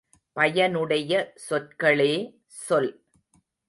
பயனுடைய சொற்களே சொல்.